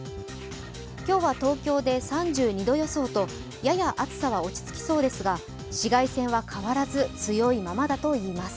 今日は東京で３２度予想とやや暑さは落ち着きそうですが紫外線は変わらず強いままだといいます。